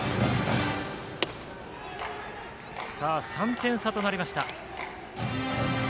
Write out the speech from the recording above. ３点差となりました。